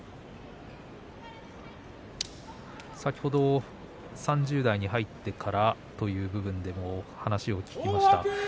先ほど、３０代に入ってからという部分でも話を聞きました。